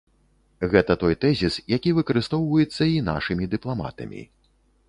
І гэта той тэзіс, які выкарыстоўваецца і нашымі дыпламатамі.